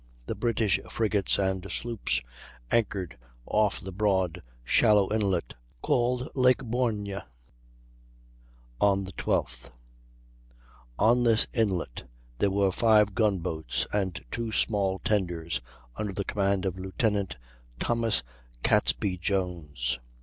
The British frigates and sloops anchored off the broad, shallow inlet called Lake Borgne on the 12th; on this inlet there were 5 gun boats and 2 small tenders, under the command of Lieut. Thomas Catesby Jones.